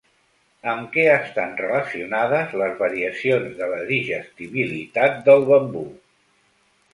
Amb què estan relacionades les variacions de la digestibilitat del bambú?